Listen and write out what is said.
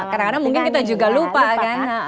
kadang kadang mungkin kita juga lupa kan